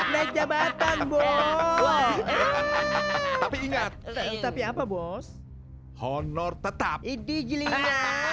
naik jabatan boleh tapi ingat tapi apa bos honor tetap ini gilingnya